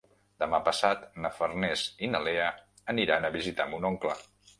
Demà passat na Farners i na Lea aniran a visitar mon oncle.